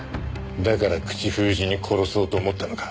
だから口封じに殺そうと思ったのか？